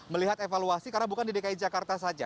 melihat evaluasi karena bukan di dki jakarta saja